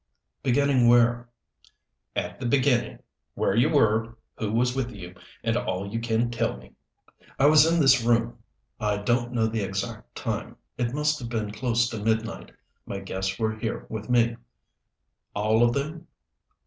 "Beginning where?" "At the beginning. Where you were, who was with you, and all you can tell me." "I was in this room. I don't know the exact time it must have been close to midnight. My guests were here with me." "All of them?"